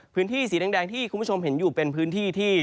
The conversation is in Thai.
ภาคแรงที่คุณผู้ชมเห็นอยู่เป็นพื้นที่ที่